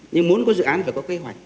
nhưng muốn có dự án phải có kế hoạch